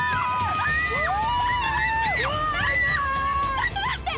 ちょっと待って！